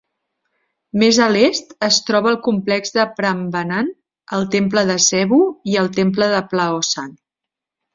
Més a l'est es troba el complex de Prambanan, el temple de Sewu i el temple de Plaosan.